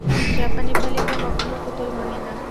জাপানী বালিকা কখনও পুতুল ভাঙে না।